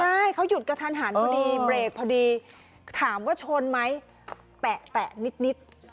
ใช่เขาหยุดกระทันหันพอดีเบรกพอดีถามว่าชนไหมแตะนิด